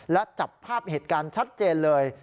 และจับภาพเหตุการณ์ชัดเจนเลย